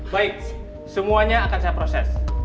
baik semuanya akan saya proses